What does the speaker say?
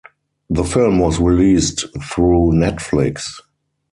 The film was released through Netflix.